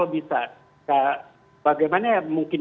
atau pemakaian masker